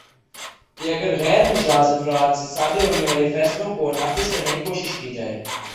کہ اگرغیر مجاز افراد سے صادر ہونے والے فیصلوں کو نافذ کرنے کی کوشش کی جائے